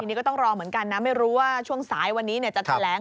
นี่ก็ต้องรอเหมือนกันนะไม่รู้ว่าช่วงสายวันนี้จะแถลง